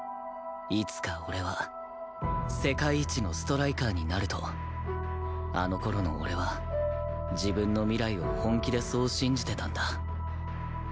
いつか俺は世界一のストライカーになるとあの頃の俺は自分の未来を本気でそう信じてたんだ